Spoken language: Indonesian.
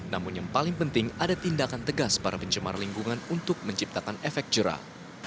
namun yang paling penting ada tindakan tegas para pencemar lingkungan untuk menciptakan efek jerah